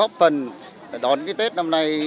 góp phần đón cái tết năm nay